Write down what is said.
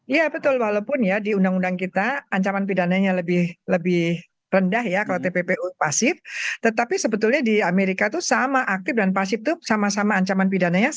iya betul walaupun ya di undang undang kita ancaman pidananya lebih rendah ya kalau tppu pasif tetapi sebetulnya di amerika itu sama aktif dan pasif itu sama sama ancaman pidananya